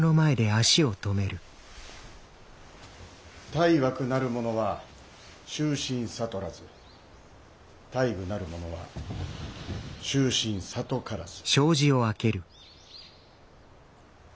・「大惑なる者は終身さとらず大愚なる者は終身さとからず」。